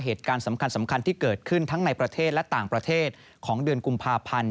เหตุการณ์สำคัญที่เกิดขึ้นทั้งในประเทศและต่างประเทศของเดือนกุมภาพันธ์